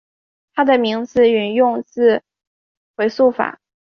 他的名字引用自回溯法。